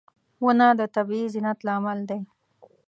• ونه د طبیعي زینت لامل دی.